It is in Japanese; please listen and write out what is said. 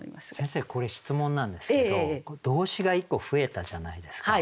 先生これ質問なんですけど動詞が１個増えたじゃないですか。